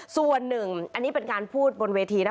ส่วนหนึ่งอันนี้เป็นการพูดบนเวทีนะ